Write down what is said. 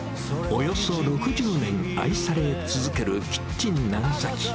およそ６０年愛され続けるキッチン長崎。